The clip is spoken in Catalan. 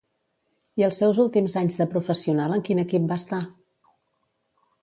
I els seus últims anys de professional en quin equip va estar?